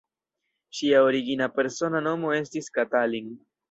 Ŝia origina persona nomo estis "Katalin".